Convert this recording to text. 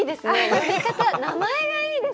呼び方名前がいいですね。